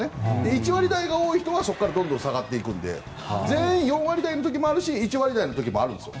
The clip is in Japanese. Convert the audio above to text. １割台が多い人はそこからどんどん下がっていくので全員４割台の時もあるし１割台の時もあるんです。